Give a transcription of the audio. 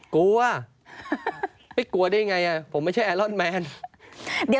กลัวอ่ะไม่กลัวได้ยังไง